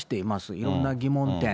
いろんな疑問点。